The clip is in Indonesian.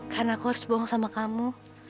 karena aku harus bohong sama kamu